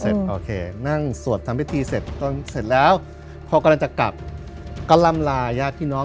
เสร็จโอเคนั่งสวดทำพิธีเสร็จเสร็จแล้วเขากำลังจะกลับกำลำลายาพี่น้อง